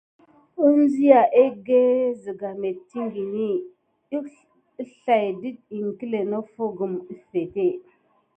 Enziya egge ged nettiŋgini əslay dət iŋkle noffo gum əffete.